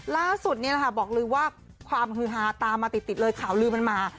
ล่าสุดบอกเลยว่าความฮือฮาตามาติดเลยข่าวลืมมันมา